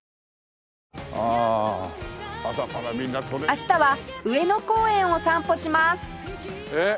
明日は上野公園を散歩しますえっ？